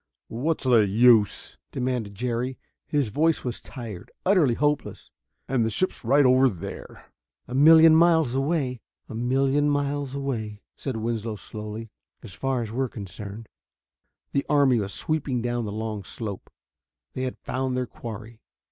"What's the use!" demanded Jerry. His voice was tired, utterly hopeless. "And the ship's right over there...." "A million miles away," said Winslow slowly, "as far as we're concerned." The army was sweeping down the long slope: they had found their quarry.